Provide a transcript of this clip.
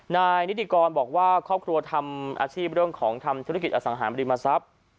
นายนิติกรบอกว่าครอบครัวทำอาชีพเรื่องของทำธุรกิจอสังหารบริมทรัพย์